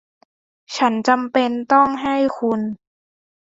ฉันจำเป็นต้องให้คุณ